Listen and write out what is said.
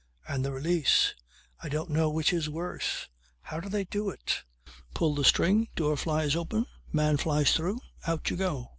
And the release! I don't know which is worse. How do they do it? Pull the string, door flies open, man flies through: Out you go!